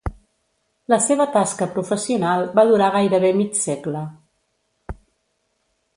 La seva tasca professional va durar gairebé mig segle.